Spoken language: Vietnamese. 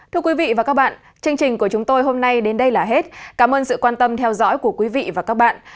thưa quý vị và các bạn chương trình của chúng tôi hôm nay đến đây là hết cảm ơn sự quan tâm theo dõi của quý vị và các bạn